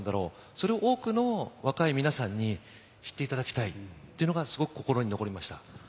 それを多くの若い皆さんに知っていただきたいというのが、すごく心に残りました。